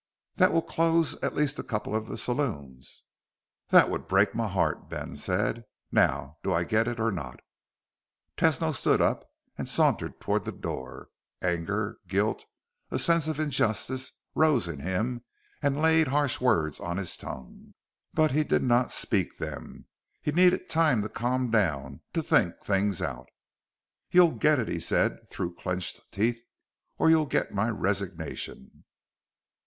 "That will close at least a couple of the saloons." "That would break my heart," Ben said. "Now do I get it or not?" Tesno stood up and sauntered toward the door. Anger, guilt, a sense of injustice, rose in him and laid harsh words on his tongue, but he did not speak them. He needed time to calm down, to think things out. "You'll get it," he said through clenched teeth, "or you'll get my resignation."